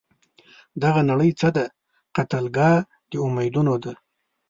دغه نړۍ څه ده؟ قتلګاه د امیدونو ده